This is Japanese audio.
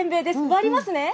割りますね。